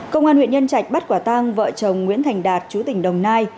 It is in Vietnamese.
công an huyện nhân trạch bắt quả tăng vợ chồng nguyễn thành đạt trú tỉnh đồng nai